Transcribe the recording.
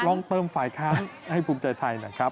ลองเพิ่มฝ่ายค้างให้ภูมิใจไทยนะครับ